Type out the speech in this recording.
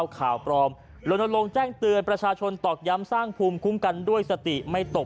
ข่าวปลอมลนลงแจ้งเตือนประชาชนตอกย้ำสร้างภูมิคุ้มกันด้วยสติไม่ตก